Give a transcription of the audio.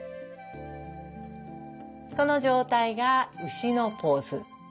この状態が牛のポーズ。